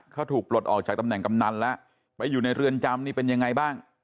เขาถูกปลดออกจากตำแหน่งกำนันแล้วไปอยู่ในเรือนจำนี่เป็นยังไงบ้าง